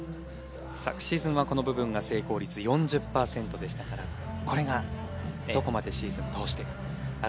昨シーズンはこの部分が成功率４０パーセントでしたからこれがどこまでシーズン通して上がっていくか。